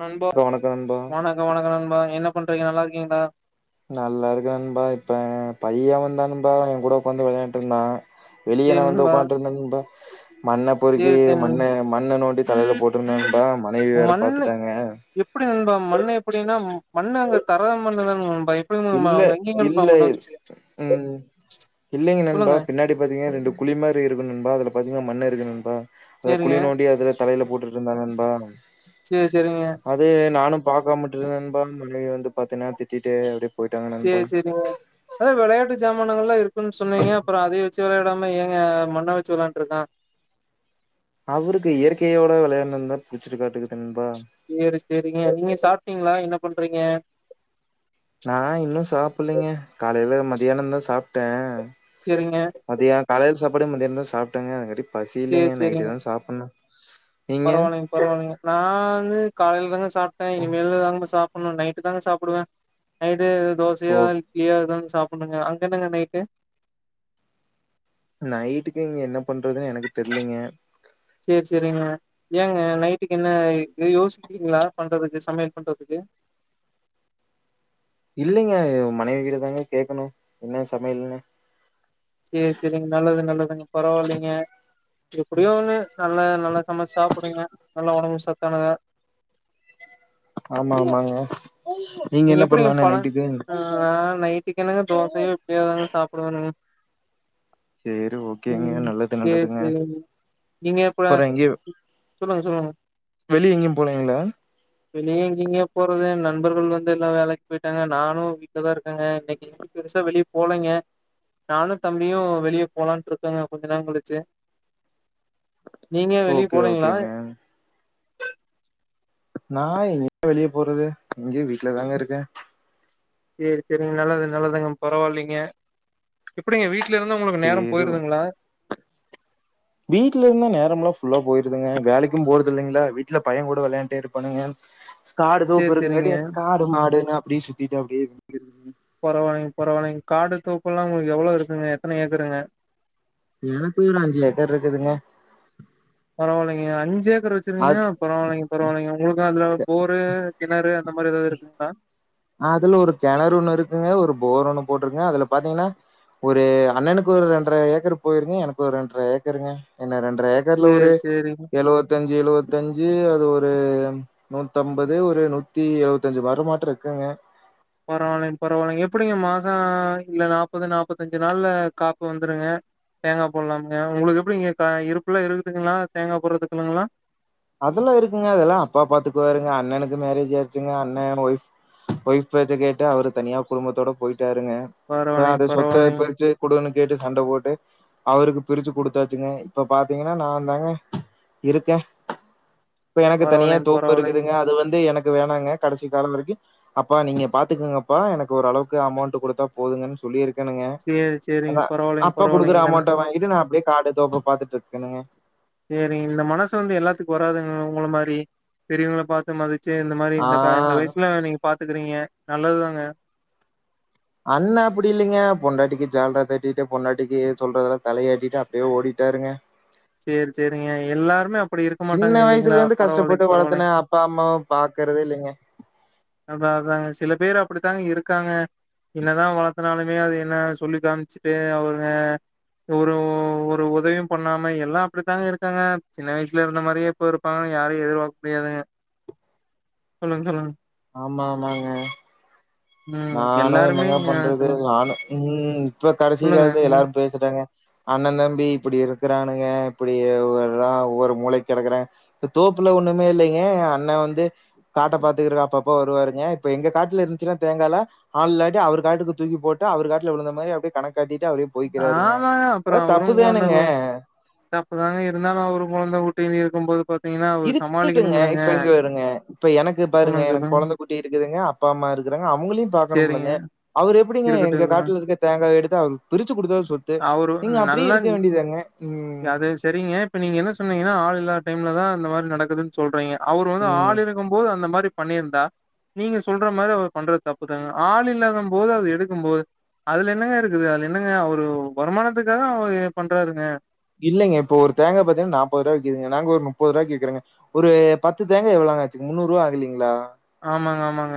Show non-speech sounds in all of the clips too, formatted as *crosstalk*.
நண்பா வணக்கம் வணக்கம் நண்பா வணக்கம் வணக்கம் நண்பா என்ன பண்றீங்க நல்லா இருக்கீங்ளா நல்லா இருக்கேன் நண்பா இப்ப பையன் வந்தான் நண்பா அவன் கூட உட்காந்து விளையான்டுயிருந்தேன் வெளியே சேரி நாஜவந்து நண்பா உக்காட்டுஇருந்தேன் நண்பா மண்ண பொருக்கி சேரி சேரி நண் மண்ண மண்ணு நோண்டி தலையில போட்டுருந்தே நண்பா மனைவி வேற மண்ணு பாத்துட்டாங்க எப்டி நண்பா மண்ணு எப்டின்னா மண்ணு அங்க கரவை மண்ணுதனே இல்ல இல்ல உஹம் இல்லைங்நண்பா சொல்லுங்க பின்னாடி பாத்தீங்க ரெண்டு குழி மாரி இருக்கோம் நண்பா பாத்தீங்னா மண்ண இருக்குநண்பா அது சேரிங்க குழிய நோண்டியது தலையில போட்டுட்டு இருந்தான் நண்பாபா சேரி சேரிங்க அது நானு பாக்க மாட்டேன் இருந்தேநண்பா மனைவி வந்து பாத்தீனா திட்டிட்டேப்படி செரி செரிங்க அத விளையாட்டு சாமா மானலா இருக்கு ம் சொன்னீங்க அப்பறம் அதே வ ச்சி விளையடாம ஏங்க மண்ண வச்சு விளையான்ட்ரு இருக்கான் அவருக்கு இயற்கையோட விளையாண்டுந்தா புச்சிருக்க காட்டுக்கு தம்பி செரி செரிங்க நீங்க சாப்ட்டீங்களா என்ன பண்றீங்க நா இன்னு சாப்பிலைங்க காலையில மதியான தான் சாப்ட்டேன் சேரிங்க மதிய காலை சாப்பாடே மதியதா சாப்ட்டேங்க அது மாதிரி பசி இல்லங்க நைட்டு தான் சாப்டானும் ஆஹா பரவாலைங்க-பரவாலைங்க நா வந்து காலையி ல தாங்க சாப்ட்டேன் இனி மேல தாங்க சாப்டணு நைட் நைட்தாங்க சாப்புடுவேன் நைட்டு தோசையா ஓ இட்லியாதா சாப்புடுணுங்க அங்க என்னங்க நைட்டு நைட்டுக்கு இங்க என்ன பண்றதுனு எனக்கு தெர்லீங்க செரி செரிங்க ஏங்க நைட்டுகு என்ன யோசிக்கீரிங்களா பண்றதுகு சமையல் பண்றதுகு இல்லங்க மனைவி கிட்ட தாங்க கேக்கணும் என்ன சமையல்னு செரி செரிங்க நல்லது நல்லதுங்க பரவால்லைங்க எப்படியோன்னு நல்லா-நல்லா சமைச்ச சாப்பிடுங்க நல்லா ஒடம்பு சத் தனாத ஆமா ஆமாங்க நீங்க என்ன எப்டிங்க பண்லான்னு பழம் நைட்டுக்கு ஆஹ் நைட்டிக்கென்னங்க தோசையோ இட்லியோதாங்க சாப்புடுவானுங்க சேரி ஓகேங்க ம் நல்லது சேரி நடக்குங்க சேரிங்க நீங்க இப்ப பேற எங்கியோ சொல்லுங்க சொல்லுங்க வெளிய எங்கியுபோலிங்குளா வெளிய எங்கிங்கயே போறது நண்பர்கள் வந் ந்து எல்லா வேலைக் போயிடாங்க நானு வீட்லதா இருக்கேங்க இன்னைக்கு எங்கு பெருசா வெளிய போலிங்க நானு தம்பியு வெளிய போலானுட்டு இருக்கோங்க கொஞ்ச நேர களுச்சு நீங்க வெளிய ஓகே போலீங்களா ஓகேங்க நா எங்கீங்க வெளிய போறது இங்கி வீட்லதாங்க இருக்கே சேர் சேரிங்க நல்லது நல்லதுங்க பரவாலிங்க எப்டிங்க வீட் வீட்ல இருந்து உங்குளுக் நேர சேரி போயிருதுங்குளா வீட்ல இருந்தா நேரம்லா ஃபுல்லா போயிருதுங்க வேலைக்கு போறதுங் இல்லைங்கிளா வீட்ல பைய கூட விளாண்டே இருப்பனுங் காடு தோப்பு சேரி இருந்துகாட்டி சேரிங்க இது காடு மாடுனு அப்டி சுத்திட்டு அப்டியே *unintelligible* பரவாலிங் பரவாலிங் காடு தோப்பு எல்லா உங்குளுக்கு எவ்ளோ இருக்குங்க எத்தன ஏக்கருங்க எனக்கு ஒரு அஞ்சு ஏக்கர் இருக்குதுங்க பரவாயில்லீங்க அஞ்ஞேக் க்குர வெச்சிருந்தீங்கா அத் பரவால்லீங் பராவிலீங்க உங்குளுக் அதுல போரு கிணறு அந்த மாரி ஏதாவுது இருக்குங்ளா அதுல ஒரு கெணறு ஒண்ணு இருக்குங்க ஒரு போர் ஒன்னு போட்ருக்கங்க அதுல பாத்தீங்கன்னா ஒரு அண்ணனுக்கு ஒரு ரெண்டர ஏக்கர் போயிருங்க எனக்கு ஒரு ரெண்டர ஏக்கருங்க என்ன ரெண் ட்ரேகர்ல ஒரு சேரி சேரிங்க எழுவத்தஞ்சு எழுவத்தஞ்சு அது ஒ *unintelligible* நூத்தம்பது ஒரு நூத்தி எழுவத்தஞ்சு வருமாட்டு இருக்குங்க பரவால்லீங் பரவால்லீங்க எப்டிங்க மாசோ இந்த நாப்பது நாப்பத்தஞ்சு நாள்ல காப்பு வந்துருங்க தேங்கா போல்லாமுங்க உங்குளுக்கு எப்டிங்க கா இருப்புல்லா இருக்குதுங்குளா தேங்கா போறதுக்குங்குளா அதுல்லா இருக்குங்க அதெல்லா அப்பா பாத்துக்குாருங்க அண்ணனுக்கு மேரேஜ் ஆயிருச்சுங்க அண்ணன் ஒய்ஃவ் ஒய்ஃவ் பேச்ச கேட்டு அவரு தனியா குடும்பத்தோட போயிட் ட்டாருங்க இப்ப பரவாயில்லைங்க அத சொத்த பரவாயில்லைங்க பிரிச்சு குடுனுக் கேட்டு சண்ட போட்டு அவருக்கு பிரிச்சு கொடுத்தாச்சுங்க இப்ப பாத்தீங்கன்னா நாந்தாங்க இருக்கே இப்ப எனக்கு தனியா பரவாயில்லைங்க தோப்பு பரவாயில்லைங்க. இருக்குதுங்க அது வந்து எனக் இது வேணாங்க கடைசி கால வரைக்கி அப்பா நீங்க பாத்துக்கூங்கப்பா எனக்கு ஓரளவுக்கு அமௌண்ட் குடுத்தா போதுங்கன் சொல்லிருக் க்கனுங்க சேரி சேரிங்க. எனா பரவாயில்லைங்க அப்பா பரவாயில்லைங்க. குடுக்குற இந்த அமௌண்ட வாங்கிட்டு நா அப்டியே காடு தோப்பு பாத்துட்டு இக்கனுங்க சேரிங் இந்த மனசு வந்து எல்லாத்துக்கு வராதுங்க உங்கள மாரி பெரியவங்கள பாத்து மதி சேர் இந்த மாரி ஆ இந்த கா வயிசுல நீங்க பாத் த்துக்குறீங்க நல்லதுதாங்க அண்ணா அப்டி இல்லிங்க பொண்டாட்டிக்கு ஜால்ரா தட்டிட்டு பொண்டாட்டிக்கு சொல்றதுல்லா தலையைாட்டிட்டு அப்டியே ஓடிட்டாருங்க சேர் சேரிங்க எல்லாருமே அப்டி இருக்க சின்ன மாட்டாங்க வயசுல இல்லீங்களா இருந்து கஷ்டப்பட்டு பரவாலீங் வளர்த்தனே பரவாலீங் அப்பா அம்மாவ பாக்குறதே இல்லீங்க அத அதாங்க சில பேரு அப்டித்தாங்க இருக்காங்க என்னதா வளத்துனாலுமே அது என்ன சொல்லி காமிச்சுட்டு அவுங்க ஒரு ஒரு உதவியும் பண்ணாம எல்லா அப்டித்தாங்க இருக்காங்க சின்ன வயிசுல இருந்த மாரியே இப்ப இருப்பாங்கன்னு யாரையு எதிர்பாக்கு முடியாதுங்க சொல்லுங் சொல்லுங் ஆம்மா ஆமாங்க ம் நானு எல்லாருமே என்னங்க அ பண்றது சொல்லுங்க நானு ம் இப்ப கடைசி சொல்லுங்க காலத்து நீங்க எல்லாரு பேசுறாங்க அண்ணன் தம்பி இப்டி இருக்கிறானுங்க இப்டிா ஒர ஒவ்வொரு முலைக் கெடக்கறாங் இப்ப தோப்புல ஒண்ணுமே இல்லங்க அண்ணன் வந்து காட்ட பாத்துக்கறக்கு அப்பப்ப வருவாருங்க இப்ப எங்க காட்டுல இருந்துச்சுன்னா தேங்காலா ஆள் இல்லாட்டி அவர் காட்டுக்கு தூக்கி போட்டு அவர் காட்டுல விழுந்த மாரி அப்டியே கணக்காட்டிட்டு அவரே போய்க்கிறாருங்க ஆமாங்க அப்புறே அது அவரும் கொழந்த தப்புதானுங்க குட் தப்பதாங்க இருந்தாலும் அவரும் கொழந்த குட் டிவி இருக்கும் போது பாத் இருக்கட்டுங்க இப்ப இங்க வருங்க இப்ப எனக்கு பாருங்க சொல்லுங்க எனக்கு சொல்லுங்க கொழந்த குட்டி இருக்குதுங்க அப்பா அம்மா இருக்கறாங்க அவங்களையும் சேரிங்க பாக்கணும்லங்க அவரு எப்டிங்க இருக்கட்டும் எங்க இருக்கட்டும் காட்டுல இருக்க தேங்காய எடுத்து அவர் பிரிச்சு குடு *unintelligible* சொத்து அவரு நீங்க அப்டியே நல்லா இருக்க வேண்டியதாங்க ம் அது சரிங்க இப்ப நீங்க என்ன சொன்னீங்கன்னா ஆள் இல்லா டைம்ல தான் இந்த மாரி நடக்குதுன்னு சொல்றீங்க அவர் வந்து ம். ஆள் இருக்கும் போது அந்த மாரிப் பண்ணியிருந்தா நீங்க சொல்ற மாரி அவர் பண்றது தப்புதாங்க ஆள் இல்லாத போது அத எடுக்கும்பது அதுல என்னங்க இருக்குது அதுல என்னங்க அவர் ஒரு வருமானத்துக்காக அவர் பண்றாருங்க இல்லங்க இப்போ ஒரு தேங்கா பாத்தீங்கன்னா நாற்பதுரூபா விக்குதுங்க நாங்க ஒரு முப்பது ரூபா விக்கிறோங்க ஒரு பத்து தேங்க எவ்வளாங்க ஆச்சு முன்னூறு ரூபா ஆகலைங்களா ஆமாங்க ஆமாங்க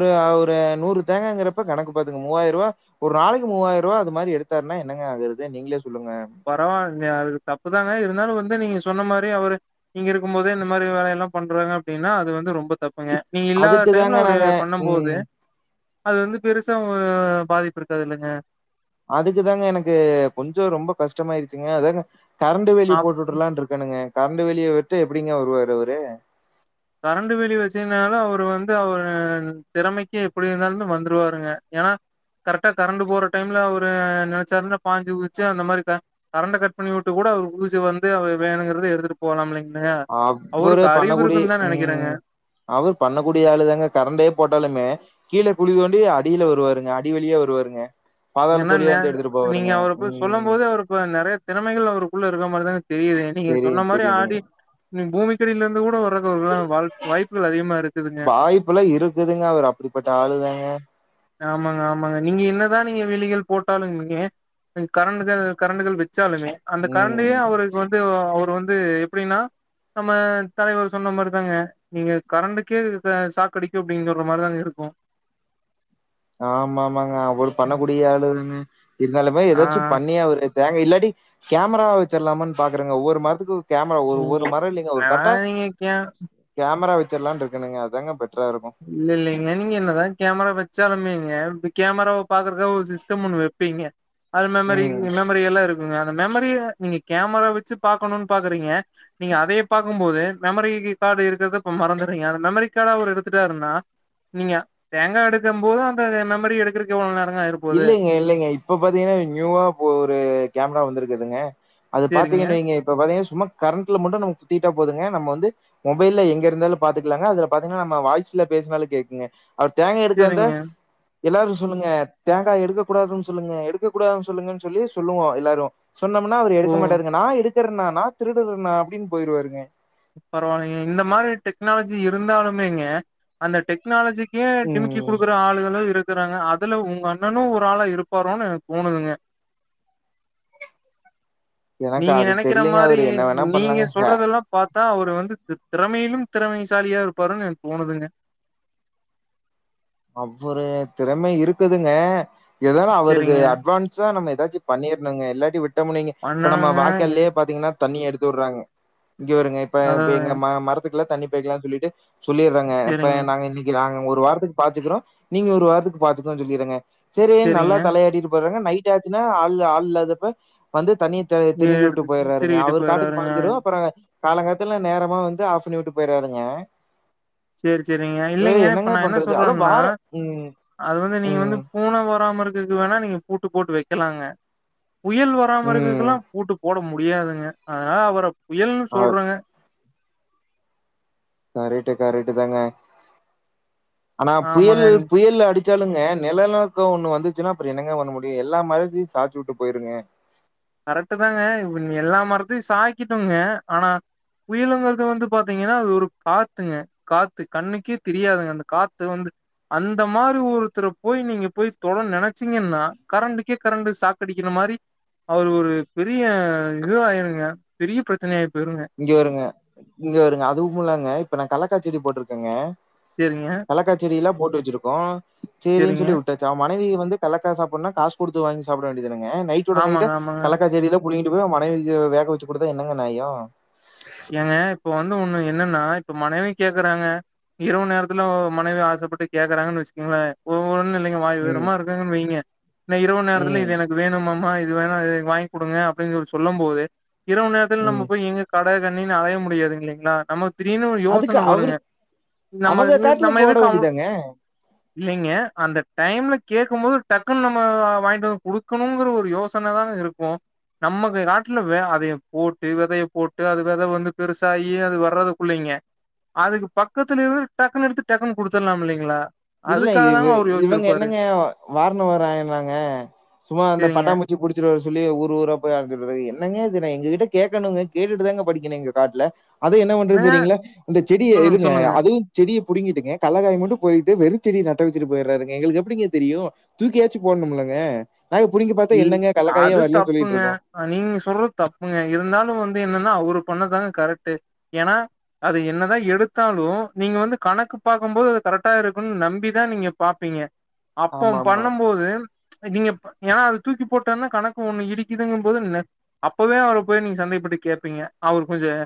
ஒரு அவரு நூறு தேங்கங்கறப்ப கணக்கு பாத்துங்க மூவாயிரம் ரூபா ஒரு நாளைக்கு மூவாயிரம் ரூபா அது மாரி எடுத்தார்ன என்னங்க ஆகுறது நீங்களே சொல்லுங்க பரவாயில் அதுக்கு தப்பு தாங்க இருந்தாலும் வந்து நீங்க சொன்ன மாரி அவர் இங்க இருக்கும் போதே இந்த மாதிரி வேலையல்லாம் பண்றாங்க அப்டின்னா அது வந்து ரொம்ப தப் புங்க இப் நீங்க இல்லாத அதுக்கு டைம்ல தாங்க அவரு நாங்க பண்ணும் ம். போது அது வந்து பெருசாவு பாதிப்பு இருக்காது இல்லங்க அதுக்குதாங்க எனக்கு கொஞ்சம் ரொம்ப கஷ்டமாயிடுச்சுங்க அதாங்க கரண்ட்டு வேலி அப் போட்டுற்றாலானு இருக்கேனுங்க கரண்டு வேலிய விட்டு எப்டிங்க அவரு வருவாரு கரண்ட்டு வேலி வச்சினாலும் அவரு வந்து அவர் திறமைக்கு எப்படி இருந்தாலும் வந்துருவாருங்க ஏன்னா கரெக்டா கரண்ட் போற டைம்ல அவரு நினைச்சாருன பாஞ்சு குதிச்சு அந்த மாரி கரண்ட கட் பண்ணி விட்டு கூட அவர் குதிச்சு வந்து அவ வேணுங்கறத எடுத்துட்டு போலாம்ல்லிங் அவ்வரு பண்ண கூடி இ நெனைக்கிறேங்க உம் அவர் பண்ணக்கூடிய ஆளு தாங்க கரண்டே போட்டாலுமே கீழே குழி தோண்டி அடியில வருவாருங்க அடிவலியா வருவாருங்க ஏன்னா பாதாளத்து வழியா வந்து எடுத்துட்டு நீங்க போவாருங்க. அவரு போய் சொல்லும் ம். போது அவரு இப்ப நிறைய திறமைகள் அவருக்குள்ள இருக்க மாரிதானே தெரியுது நீங்க சொன்ன தெரியுது, மாரி தெரியுதுங்க. ஆடி நீ பே பூமிக்கடியில இருந்து கூட வர வாய்ப்புலாம் இருக்குதுங்க அவர் அப்டிப்பட்ட ஆளுதாங்க ஆமாங்க ஆமாங்க நீங்க என்னதான் நீங்க வேலிகள் போட்டாலும் நீங்க கரண்டுகள் கரண்டுகள் வச் ச்சாலுமே அந்த கரண்டே ம். அவருக்கு வந்து அவர் இப்ப வந்து எப்படின்னா நம்ம தலைவர் சொன்ன மாரிதாங்க நீங்க கரண்டுக்கே அ சாக் அடிக்கும் அப்படின்குற மாரிதா இருக்கும் ஆமாமாங்க அவரு பண்ணக்கூடிய ஆளு தாங்க இருந்தாலுமே ஆ ஏதாச்சும் பண்ணியா அவரு ங்க இல்லாடி கேமரா வச்சர்லாம்னு பாக்குறேங்க ஒவ்வொரு மரத்துக்கு கேமரா ஒரு நீங்க ஒரு மரம் இல்லைங்க ஒரு என்னதா கரெக்டா நீங்க கே கேமரா வ ச்சிரலாம் இருக்கேனுங்க அதாங்க பெட் இல்ல இல்லிங்க நீங்க என்னதான் கேமரா வச்சாலுமே கேமரா பாக்குறக்காக ஒரு சிஸ்டம் ஒண்ணு வப்பீங்க அல் மெமரி ம் மெமரி எல்லாம் இருக் உம் மெமரி நீங்க கேமரா வச்சு பாக்கனும்னு பாக்குறீங்க நீங்க அதைய பார்க்கும்போது மெமரி கார்டு இருக்கறத மறந்துடுறீங்க மெமரி கார்ட் அவர் எடுத் துடாருன்னா நீங்க தேங்காய் எடுக்கும் போது அந்த மெமரி எடுக்கரக்கு எவ்வளவு நேர இல்லைங்க இல்லைங்க இப்ப பாத்தீங்கன்னா நியூவா ஒரு கேமரா வந்திருக் குதுங்க அது சேரிங்க பாத்தீங்கின்ன நீங்க இப்ப பாத்தீங்க சும்மா கரண்ட்ல மட்டும் நமக் கத்துக்ககிட்டா போதுங்க நம்ம வந்து மொபைல்ல எங்க இருந்தாலும் பாத்துக்கலாங்க அதுல பாத்தீங்கினா நம்ம வாய்ஸ்ல பேசினாலும் கேக்குங்க அவரு தேங்காய் எடுக்க வந்தா சேரிங்க எல்லாருகும் சொல்லுங்க தேங்காய் எடுக்க கூடாதுன்னு சொல்லுங்க எடுக்க கூடாதுன்னு சொல்லுங்கு சொல்லி சொல்லுவோம் எல்லாரும் சொன்னமுனா அவரு ஓ எடுக்க மாட்டாருங்க நான் எடு திருனா நா திருடுறனா அப்பிடின்னு போயிருவாருங்க பரவாயில்லங்க இந்த மாரி டெக்னாலஜி இருந்தாலுமேங்க அந்த டெக்னாலஜிக் கே டிமிக்கி ம் குடுக்குற ஆளுகளும் இருக்கிறாங்க அ அதுல உங்க அண்ணனும் ஒரு ஆளா இருப்பாரோனு எனக்கு தோணுதுங்க எனக்கா நீங்க அது நெனைக்கிற தெரிலிங்க மாரி அவுரு என்ன வேணா நீங்க பண்ணலாங்க ஹ சொல்றதெல்லா பாத்தா அவுரு வந்து திறமையிலும் திறமைசாலியா இருப்பாருனு எனக்கு தோனுதுங்க அவ்வுரு திறமை இருக்குதுங்க எதானு அவுருக்கு செரிங்க அட்வான்ஸா நம்ம ஏதாச்சு பண்ணிருணுங்க இல்லாட்டி விட்டோமுனு வையுங்க இப்ப நம்ம பண்ணனுங்க இது வாய்க்காலயே பாத்தீங்கின்னா தண்ணிய எடுத்து வுடுறாங்க இங்க வருங்க இப்ப அதா எங்க மரத் இருக்கலாம் தண்ணிபோயிக்கலாம்னு சொல்லிட்டு சொல்லிறாங்க இப்ப செரிங்க நாங்க இன்னிக்கி நாங்க ஒரு வாரத்துக்கு பாச்சுக்கிறோம் நீங்க ஒரு வாரத்துக்கு பாச்சுக்குறோம்னு சொல்லிறுங்க சேரி நல்லா செரிங்க தலையாடிட்டு போய்டுறாங்க நைட் டிச்சாச்சுனா ஆள் ஆள் இல்லாதப்ப வந்து தண்ணிய திருகி விட்டு எடுத்து போயிடுறாருங்க திருகிட்டு அவுரு காட்டுக்கு போயிறாருங்க பாஞ்சிடும் அப்புறம் காலங்காத்தல்ல நேரமா வந்து ஆப் பன்னிவிட்டு போயிறாருங்க சேரி சேரிங்க இல்லிங்க இப்ப என்னங்க நா என்ன பண்றது அதான் வாரம் *unintelligible* ம் அது வந்து நீங்க வந்து ம் *unintelligible* போராம இருக்கக்கு வேணா நீங்க பூட்டு போட்டு வைக்கலாங்க புயல் வராம ம் இருக்கக்கெல்லா பூட்டு போட முடியு முடியாதுங்க அதனால அவர புயலுனு அ சொல்றோங்க கரட்டு கரட்டு தாங்க ஆனா ஆமாங்க புயலு புயல் அடி சொல்லுங்க நிலநடுக்கம் ஒண்ணு வந்துச்சுன்னா அப்பற என்னங்க பண்ண முடியு எல்லா மழல்த்தையும் சாச்சிவுட்டு போய்டுங்க கரெக்ட் தாங்க எல்லா மரத்தையும் சாயிக்கடோங்க ஆனா புயிலுங்கிறது வந்து பாத்தீங்கின்னா அது ஒரு காத்துங்க காத்து கண்ணுக்கே தெரியாதுங்க அந்த காத்து வந்து அந்த மாரி ஒருத்தர போய் நீங்க போய் தொட நினைச்சீங்கின்னா கரண்டு்டக்கே கரண்டு் சாக்கடிக்கிற மாரி அவுரு ஒரு பெரிய இது ஆயிருங்க பெரிய பிரச்சனை ஆயு இங்க வருங்க இங்க வருங்க அதுவும் இல்லாங்க இப்ப நான் கலக் கா செடி போட்டுருக்கங்க சேரிங்க கலக்காச்செடிய எல்லாம் போட் பிரிச்சுருக்கோம் செரின்னு சேரிங்க சொல்லி வுட்டாச்சு ஆமார் *unintelligible* வந்து கலக்கா சாப்பிடனும்னா காசு குடுத்து வாங்கி சாப்படவே *unintelligible* நைட்டோட நைட்டா ஆமாங்க ஆமாங்க கலக்காச்செடியில புடிங்கிட்டு போய் மனைவி வேக வச்சு குடுத்தா என்னங்க நியாயம் ஏங்க இப்ப வந்து ஒண்ணு என்னன்னா இப்ப மனைவி கேக்குறாங்க இரவு நேரத்துல மனைவி ஆசைப்பட்டு கேக்குறாங்கு வச்சங்கோங்களேன் ஒவ்வொ ஒன்னும் இல்லைங்க ம் வாய்ஈரமா இருக்கங்கன்னு வைங்க இரவு நேரத்தில் ம் இது எனக்கு வேணும் மாமா இது வேணா வாங்கி குடுங்க அப்படின் சொல்லும் போதே இரவு நேரத்துல நம்ம ம் போய் எங்க க கட கண்ணின்னு அலைய முடியாது இல்லைலீங்களா நமக் அதுக்கு அவரு நம்ம அவங்க இது- காட்டுல நம்ம போட எதுக்கு அவ வேண்டியதாங்க இல்லைங்க அந்த டைம்ல கேட்கும் போது டக்குன்னு நம்ம வாங்கிட்டு வந்து குடுக்கணும்ங்கிற ஒரு யோசனைதான் இருக்கும் நமக்கு காட்டுல அதை போட்டு விதைய போட் டு அது விதை வந்து பெருசாயி அது வர்றதுக்குள்ளைங்க அதுக்கு பக்கத்துல டக்குனு எடுத்து டக்குன் குடுத்துலாம் இல்லைங்களா இல்ல இ அதுக்காக தாங்க அவரு இவங்க யோசிச்சிருப்பாரு. என்னங்க வாரனு வராயினாங்க சும்மா அந்த சரிங்க. பட்டாமுச்சி புடிச்சிரு வரு சொல்லி ஊர் ஊரா போய் அலைஞ்சிட்டு வர என்னங்க இது எங்க கிட்ட கேட்கணுங்க கேட்டுட்டுதாங்க பறிக்கணும் எங்க காட்டுல அது என்ன பண்றதுன்னு என்னங்க? தெரியங்களா அந்த செடிய சொல்லுங்க, இருங்க சொல்லுங்க. அதையும் செடிய புடிங்கிட்டுங்க கல்லக்காய் மட்டும் பொறிட் ட்டு வெறும்ச்செடிய நட்டு வச்சுட்டு போயிடுறாருங்க எங்களுக்கு எப்படிங்க தெரியும் தூக்கி யாச்சும் போடணும்லங்க நாங்க புடுங்கி பார்த்தா ம என்னங்க கல்லக்காயே அது வரலன்னு சொல்லிட்டு தப்புங்க இருக்கோம். நீங்க சொல்றது தப்புங்க இருந்தாலும் வந் து என்னண்ணா அவுரு பண்ணுணதுதாங்க கரெக்ட்டு ஏனா அத என்னதான் எடுத்தாலும் நீங்க வந்து கணக்கு பாக்கும்போது அது கரெக்டா இருக்கும் நம்பி தான் நீங்க பாப்பீங்க அப்போ ஆமாமா. பண்ணும்போது ச் கிவ்வப்ப ஏன்னா அது தூக்கி போட்டேனா கணக்கு ஒண்ணு இடிக்குதுங்கும் போது அப்பவே அவரை போய் நீங்க சந்தேகப்பட்டு கேட்பீங்க அவர் கொஞ்சம்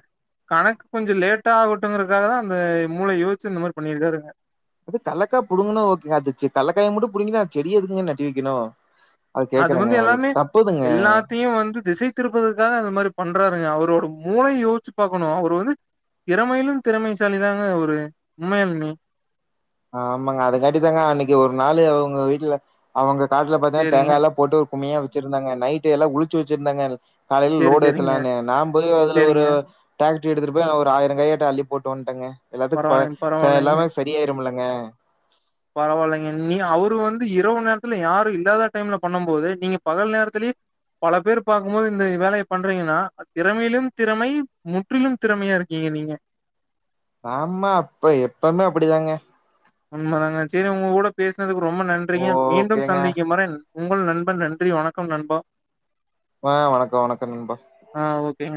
கணக்கு கொஞ்சம் லேட்டா ஆகட்டும்ங்கறக்காக தான் அந்த மூளை யோசிச்சு இந்த மாதிரி பண்ணியிருக்காருங்க அது கலைக்காய் புடுங்கணும் ஓகே அச்சு கலக்காய் மட்டும் புடுங்குனா செடி எதுக்குங்கன்னு நட்டு வைக்கணும் அது வந்து எல்லாமே எல்லாத்தையும் வந்து திசைத்திருப்பதற்காக அந்த மாதிரி பண்றாருங்க அவரோட மூளைய யோசிச்சு பார்கக்கணும் அவரு வந்து திறமையிலும் திறமைசாலி தாங்க அவுரு உண்மையாளுமே ஆமாங்க அதுக்காட்டி தாங்க அன்னைக்கு ஒரு நாள் அவுங்க வீட்டுல அவுங்க காட்டல பாத்தீங்கா சேரிங்க தேங்காய் எல்லாம் போட்டு கம்மியா வச்சிருந்தாங்க நைட்டு எல்லாம் உறிச்சு வச்சிருந்தாங்க காலையில சேரி லோடு் சேரிங்க எத்துலானனு நான் போய் அதுல ஒரு சேரிங்க எடுத்துட்டு போய் ஒரு ஆயிரம் காய் கிட்ட அள்ளி போட்டு வந்ட்டேங்க பரவாயில்லைங்க எல்லாத்துக்கும் பரவாயில்லைங்க எல்லாமே சரியாயிரும்ல அஹ பரவாயில்லைங்க நீ அவரு வந்து இரவு நேரத்துல யாரும் இல்லாத டைம்ல பண்ணும்போது நீங்க பகல் நேரத்திலேயே பல பேர் பார்க்கும் போது இந்த வேலையை பண்றீங்கன்னா திறமையிலும் திறமை முற்றிலும் திறமையா இருக்கீங்க நீங்க ஆமா அப்ப எப்பவுமே அப்டிதாங்க உண்மை தாங்க சரி உங்க கூட பேசுனதுக்கு ரொம்ப நன்றிங்க மீண்டும் ஓகேங்க சந்திக்கும் வரை உங்கள் நன் நன்றி வணக்கம் நண்பா ஆஹ் வணக்கம் வணக்கம் நண்பா ஆ ஓகேங்க